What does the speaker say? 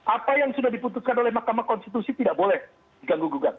apa yang sudah diputuskan oleh mahkamah konstitusi tidak boleh diganggu gugat